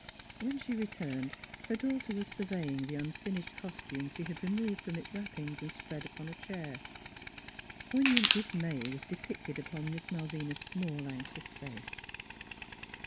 When she returned her daughter was surveying the unfinished costume she had removed from its wrappings and spread upon a chair. Poignant dis may was depicted upon Miss Malvina's small, anx ious face.